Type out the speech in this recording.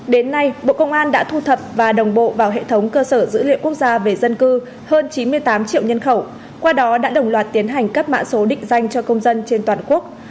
đến nay bộ công an đã thu thập và đồng bộ vào hệ thống cơ sở dữ liệu quốc gia về dân cư hơn chín mươi tám triệu nhân khẩu qua đó đã đồng loạt tiến hành cấp mã số định danh cho công dân trên toàn quốc